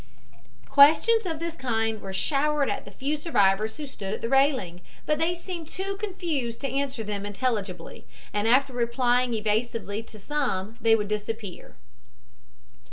Questions of this kind were showered at the few survivors who stood at the railing, but they seemed too confused to answer them intelligibly, and after replying evasively to some they would disappear.